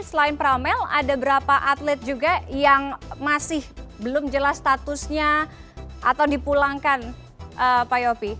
selain pramel ada berapa atlet juga yang masih belum jelas statusnya atau dipulangkan pak yopi